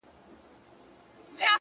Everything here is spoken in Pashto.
حسن خو زر نه دى چي څوك يې پـټ كــړي-